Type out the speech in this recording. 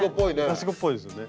刺し子っぽいですよね。